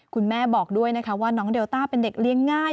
คุณแม่บอกด้วยนะคะว่าน้องเดลต้าเป็นเด็กเลี้ยงง่าย